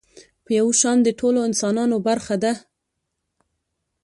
په يو شان د ټولو انسانانو برخه ده.